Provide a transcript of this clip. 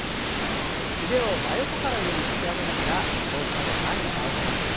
腕を真横から上に引き上げながら上体を前に倒します。